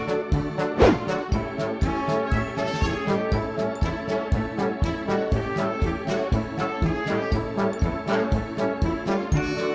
เอาอีกรถไทยน้ำไอ้รถแม่กลับมามีนั่นแม่ขอจะเทบานไปตลาดเออ